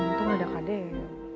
hmm untung ada kak dehan